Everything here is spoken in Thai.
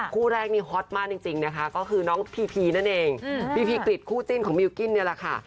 คู่แรกนี้ฮอตมากจริงนะคะก็คือน้องพีพีนั่นเองพีพีกริจคู่จิ้นของมิวกิ้นนี่แหละค่ะ